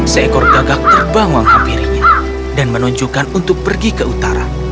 seekor gagak terbang menghampirinya dan menunjukkan untuk pergi ke utara